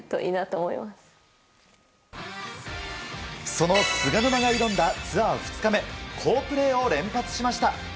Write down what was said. その菅沼が挑んだツアー２日目好プレーを連発しました。